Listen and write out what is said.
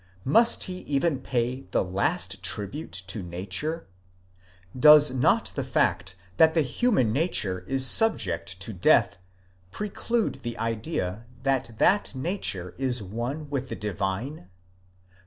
Must he even pay the last tribute to nature ? does not the fact that the human nature is subject to death preclude the idea that that nature is one with the divine?